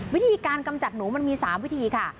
วิธีการกำจัดหนูมันมี๓วิธีค่ะ